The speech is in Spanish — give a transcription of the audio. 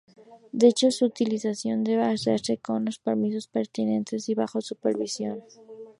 De hecho su utilización debe hacerse con los permisos pertinentes y bajo supervisión.